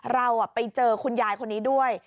เราไปเจอคุณยายคนนี้ด้วย